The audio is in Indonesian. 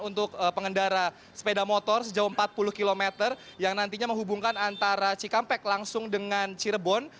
untuk pengendara sepeda motor sejauh empat puluh km yang nantinya menghubungkan antara cikampek langsung dengan cirebon